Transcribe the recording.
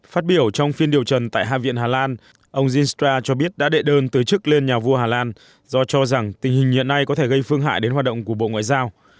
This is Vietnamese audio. phát biểu trong phiên điều trần tại hạ viện hà lan ông jinstra cho biết đã đệ đơn từ chức lên nhà vua hà lan do cho rằng tình hình hiện nay có thể gây phương hại đến hoạt động của bộ ngoại giao